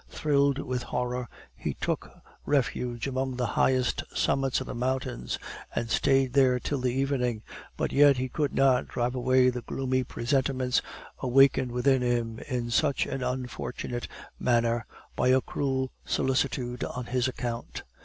Thrilled with horror, he took refuge among the highest summits of the mountains, and stayed there till the evening; but yet he could not drive away the gloomy presentiments awakened within him in such an unfortunate manner by a cruel solicitude on his account.